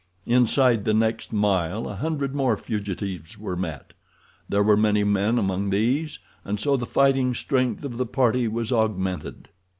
Inside the next mile a hundred more fugitives were met. There were many men among these, and so the fighting strength of the party was augmented.